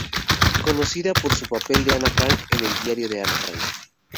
Conocida por su papel de Ana Frank en El diario de Ana Frank.